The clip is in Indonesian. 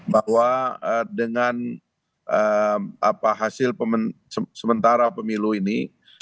bahwa dengan hasil sementara pemilu ini